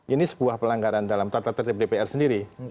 ini sebuah pelanggaran dalam tertentu dpr sendiri